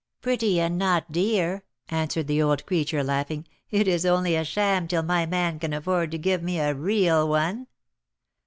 "Pretty, and not dear," answered the old creature, laughing. "It is only a sham till my man can afford to give me a real one."